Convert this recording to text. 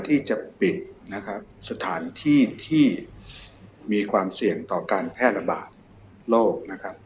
ที่จะปิดสถานที่ที่มีความเสี่ยงต่อการแพร่ระบาดโลก